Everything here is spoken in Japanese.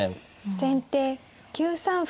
先手９三歩。